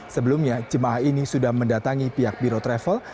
sebelumnya jemaah ini sudah mendatangi pihak biro travel